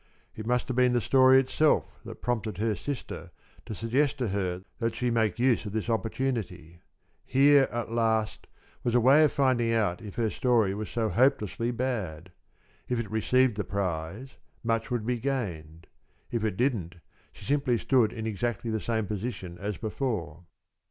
It must have been the story itself that prompted her sister to suggest to her that she make use of this opportunity. Here, at last, was a way of finding out if her story was so hopelessly bad! If it received the prize, much would be gained; if it didn't, she simply stood in exactly the same position as before.